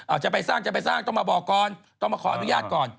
อาจจะไปสร้างจะไปสร้างต้องมาบอกก่อนต้องมาขออนุญาตก่อน